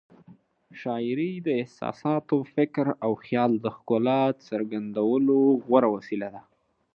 شاعري د احساساتو، فکر او خیال د ښکلا څرګندولو غوره وسیله ده.